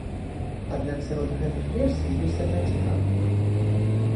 Аднак сярод гэтых версій ёсць адна цікавая.